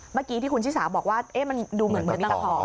เมื่อกี้ที่คุณชิสาบอกว่ามันดูเหมือนตะขอ